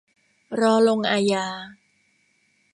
รอลงอาญา